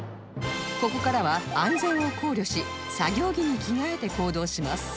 ここからは安全を考慮し作業着に着替えて行動します